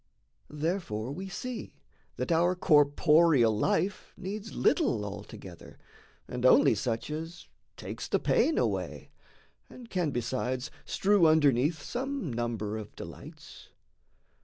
Therefore we see that our corporeal life Needs little, altogether, and only such As takes the pain away, and can besides Strew underneath some number of delights.